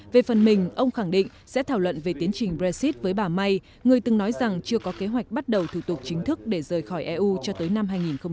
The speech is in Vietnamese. về phần mình ông khẳng định sẽ thảo luận về tiến trình brexit với bà may người từng nói rằng chưa có kế hoạch bắt đầu thủ tục chính thức để rời khỏi eu cho tới năm hai nghìn hai mươi